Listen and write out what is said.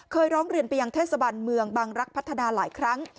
ร้องเรียนไปยังเทศบันเมืองบังรักษ์พัฒนาหลายครั้ง